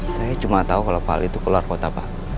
saya cuma tahu kalau pal itu keluar kota pak